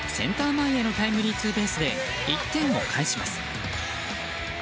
前へのタイムリーツーベースで１点を返します。